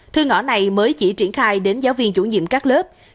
thư ngõ này mới chỉ triển khai đến giáo viên chủ nhiệm các lớp